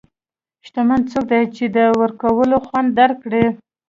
شتمن څوک دی چې د ورکولو خوند درک کړي.